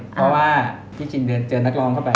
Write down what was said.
เพราะว่าพี่จินเดินเจอนักร้องเข้าไป